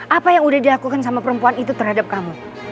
apa yang udah dilakukan sama perempuan itu terhadap kamu